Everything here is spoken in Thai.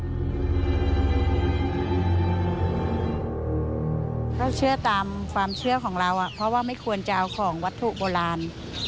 ก็เชื่อตามความเชื่อของเราเพราะว่าไม่ควรจะเอาของวัตถุโบราณ